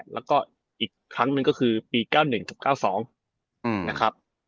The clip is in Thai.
๑๙๘๗๑๙๘๘แล้วก็อีกครั้งหนึ่งก็คือปี๙๑๙๒นะครับ